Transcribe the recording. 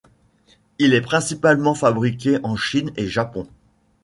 Il est principalement fabriqué en Chine et Japon.